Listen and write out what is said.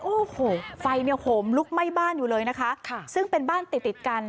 โอ้โหไฟเนี่ยโหมลุกไหม้บ้านอยู่เลยนะคะค่ะซึ่งเป็นบ้านติดติดกัน